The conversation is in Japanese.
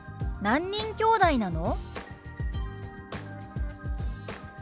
「何人きょうだいなの？」。